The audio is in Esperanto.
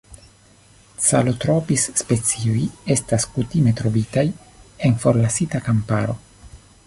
Calotropis-specioj estas kutime trovitaj en forlasita kamparo.